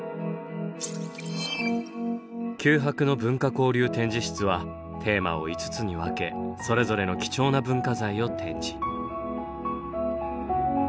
九博の文化交流展示室はテーマを５つにわけそれぞれの貴重な文化財を展示。